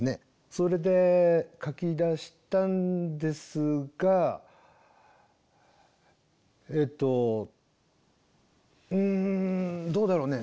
それで書きだしたんですがえっとうんどうだろうね